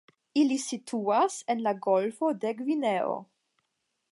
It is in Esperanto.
Ili situas en la golfo de Gvineo.